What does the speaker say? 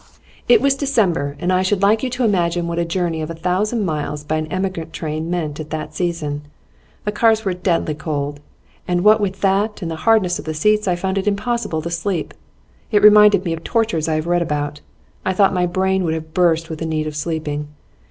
It was December, and I should like you to imagine what a journey of a thousand miles by an emigrant train meant at that season. The cars were deadly cold, and what with that and the hardness of the seats I found it impossible to sleep; it reminded me of tortures I had read about; I thought my brain would have burst with the need of sleeping.